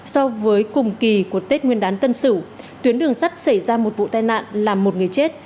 so với cùng kỳ của tết nguyên đán tân sử tuyến đường sắt xảy ra một vụ tai nạn làm một người chết